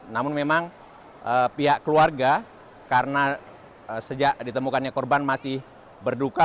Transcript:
namun memang pihak keluarga karena sejak ditemukannya korban masih berduka